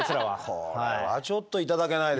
これはちょっといただけないですね。